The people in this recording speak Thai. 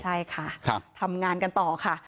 ใช่ค่ะทำงานกันต่อค่ะ